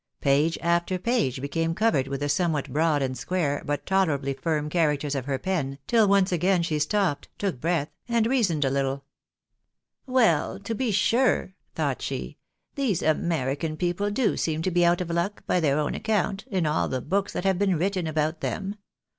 Page after page became covered with the somewhat broad and square, but tolerably firm characters of her pen, tiU once again ehe stopped, took breath, and reasoned a little. " Well, to be sure," thought she, " these American people do SKl^i UJlATULATOET EUMITTATIOXS. 127 seem to be out of luck, by their own account, in all the books that have been written about them.